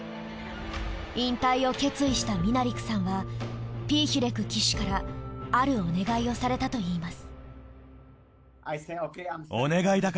引退を決意したミナリクさんはピーヒュレク騎手からあるお願いをされたと言います。